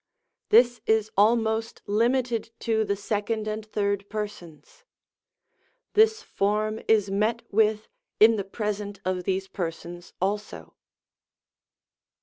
This is almost limited to the 2d and 3d Persons. This form is met with in the Present of these Persons also.